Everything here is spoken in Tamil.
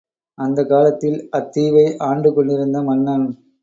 அந்தக் காலத்தில் அத்தீவை ஆண்டுகொண்டிருந்த மன்னன்.